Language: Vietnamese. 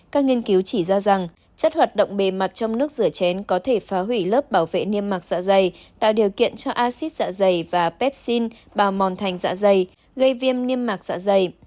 các nghiên cứu chỉ ra rằng chất hoạt động bề mặt trong nước rửa chén có thể phá hủy lớp bảo vệ niêm mạc dạ dày tạo điều kiện cho acid dạ dày và pépine bào mòn thành dạ dày gây viêm niêm mạc dạ dày